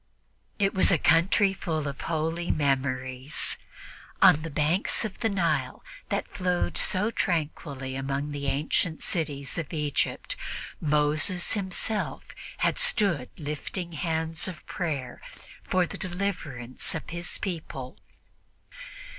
It was a country full of holy memories. On the banks of that Nile that flowed so tranquilly among the ancient cities of Egypt, Moses himself had stood lifting hands of prayer for the deliverance of his people.